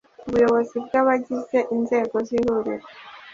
Ubuyobozi bwabagize inzengo z’ihuriro